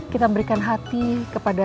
kita memberikan hati kepada